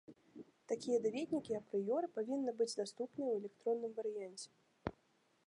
Такія даведнікі апрыёры павінны быць даступныя ў электронным варыянце.